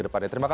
a sampai z